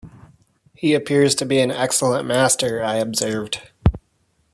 "He appears to be an excellent master," I observed.